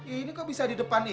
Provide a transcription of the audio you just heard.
ini kok bisa di depan nih